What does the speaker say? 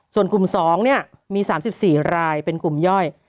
ส่วนกลุ่ม๒มี๓๔รายเป็นกลุ่มย่อย